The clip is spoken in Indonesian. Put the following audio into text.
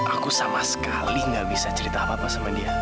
aku sama sekali gak bisa cerita apa apa sama dia